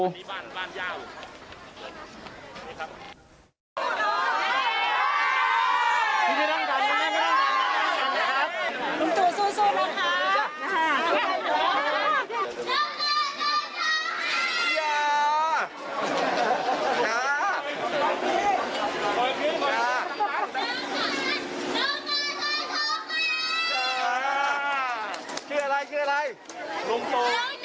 ลุงตูสู้สู้นะคะนะฮะ